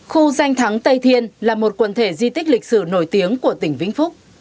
khu danh thắng tây thiên là một quần thể di tích lịch sử nổi tiếng của tỉnh vĩnh phúc